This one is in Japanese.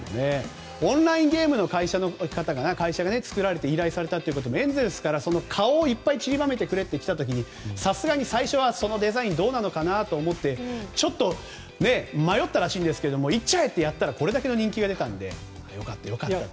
オンラインゲームの会社が依頼されたということでエンゼルスから顔をいっぱい散りばめてくれときた時にさすがに最初は、そのデザインどうなのかなと思ってちょっと迷ったらしいんですけどいっちゃえ！ってやったらこれだけの人気が出たので良かったと。